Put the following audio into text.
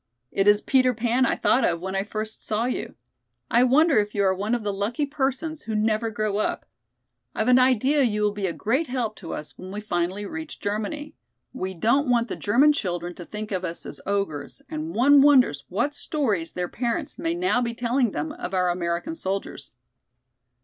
"It is Peter Pan I thought of when I first saw you. I wonder if you are one of the lucky persons who never grow up? I've an idea you will be a great help to us when we finally reach Germany. We don't want the German children to think of us as ogres and one wonders what stories their parents may now be telling them of our American soldiers."